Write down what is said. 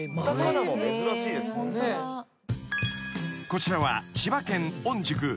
［こちらは千葉県御宿］